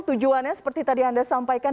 tujuannya seperti tadi anda sampaikan